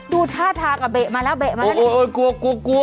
ดูท่าทากับเบะมาแล้วเบะมาแล้วโอ๊ยโอ๊ยกลัวกลัวกลัว